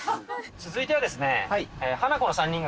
続いてはですね。